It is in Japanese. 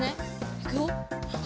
いくよ。